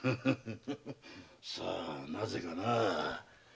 さあなぜかな。